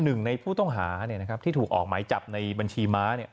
หนึ่งในผู้ต้องหาที่ถูกออกหมายจับในบัญชีม้า